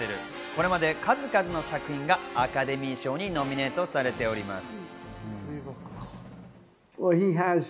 これまで数々の作品がアカデミー賞にノミネートされております。